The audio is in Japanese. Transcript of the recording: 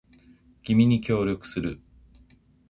君に協力する